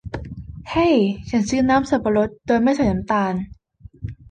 เฮ้ฉันซื้อน้ำสับปะรดโดยไม่ใส่น้ำตาล